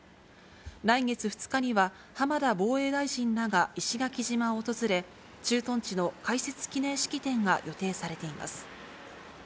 来月２日には、浜田防衛大臣らが石垣島を訪れ、駐屯地の開設記念式典が予定されています。